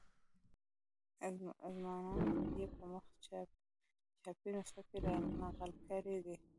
اظماننتم یې په مخ چاپي نسخه کې را نقل کړی دی.